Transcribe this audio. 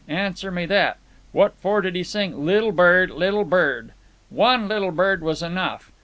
Answer me that. What for did he sing 'little bird, little bird'? One little bird was enough.